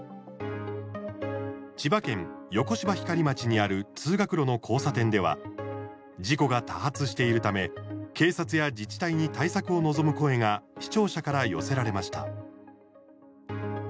千葉県横芝光町にある通学路の交差点では事故が多発しているため警察や自治体に対策を望む声が視聴者から寄せられました。